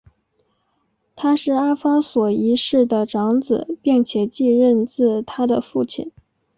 他是阿方索一世的长子并且继任自他的父亲。